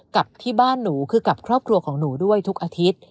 กับที่บ้านหนูคือกับครอบครัวของหนูด้วยทุกอาทิตย์